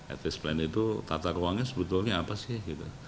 advice plan itu tata ruangnya sebetulnya apa sih